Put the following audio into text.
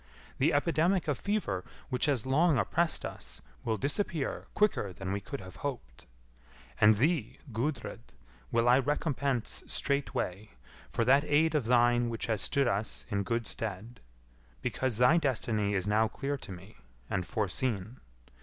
The epidemic of fever which has long oppressed us will disappear quicker than we could have hoped. And thee, Gudrid, will I recompense straightway, for that aid of thine which has stood us in good stead; because thy destiny is now clear to me, and foreseen.